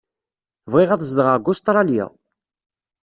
Bɣiɣ ad zedɣeɣ deg Ustṛalya.